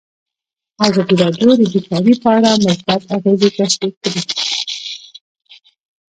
ازادي راډیو د بیکاري په اړه مثبت اغېزې تشریح کړي.